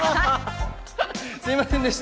すみませんでした。